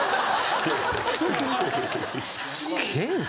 すげえな。